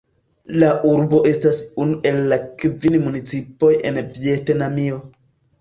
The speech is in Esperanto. La urbo estas unu el la kvin municipoj en Vjetnamio.